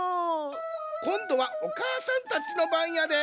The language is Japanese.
こんどはおかあさんたちのばんやで。